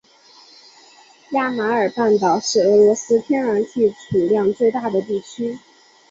亚马尔半岛是俄罗斯天然气储量最大的地区。